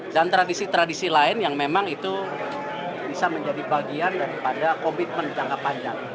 dan tradisi tradisi lain yang memang itu bisa menjadi bagian daripada komitmen jangka panjang